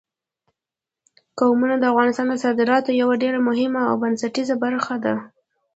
قومونه د افغانستان د صادراتو یوه ډېره مهمه او بنسټیزه برخه ده.